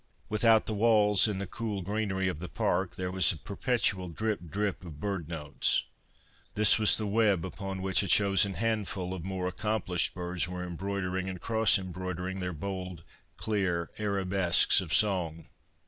Without the walls, in the cool greenery of the park, there was a perpetual drip drip of bird notes. This was the web upon which a chosen handful of more accomplished birds were em broidering and cross embroidering their bold, clear arabesques of song."